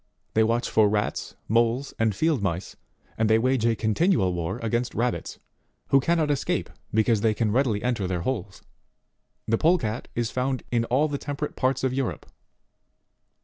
57 watch for rats, moles, and field mice, and they wage a continual war against rabbits, who cannot escape, because they can readily enter their holes. The Polecat is found in all the temperate parts of Europe.